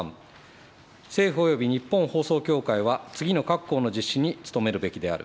政府および日本放送協会は、次の各項の実施に努めるべきである。